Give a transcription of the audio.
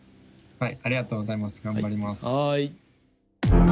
はい。